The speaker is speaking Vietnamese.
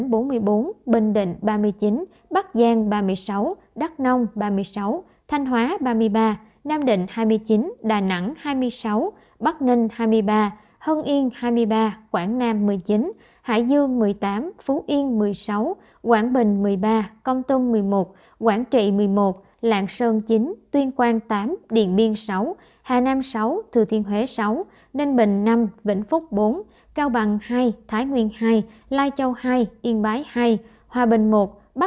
tp hcm một bốn trăm một mươi bốn đồng thành ba mươi năm hà tỉnh bốn mươi bốn bình định ba mươi chín bắc giang ba mươi sáu đắk nông ba mươi sáu thanh hóa ba mươi ba nam định hai mươi chín đà nẵng hai mươi sáu bắc ninh hai mươi ba hân yên hai mươi ba quảng nam một mươi chín hải dương một mươi tám phú yên một mươi sáu quảng bình một mươi ba công tông một mươi một quảng trị một mươi một lạng sơn chín tuyên quang tám điện biên sáu hà nam sáu thừa thiên huế sáu ninh bình năm vĩnh phúc bốn cao bằng hai thái nguyên hai lạng sơn chín tuyên quang tám điện biên sáu hà nam sáu thừa thiên huế sáu ninh bình năm vĩnh phúc bốn cao bằng hai